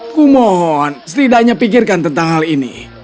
kumohon setidaknya pikirkan tentang hal ini